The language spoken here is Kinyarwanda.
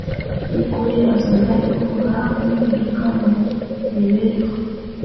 yukuri azana ivugurura nimpinduka mu mibereho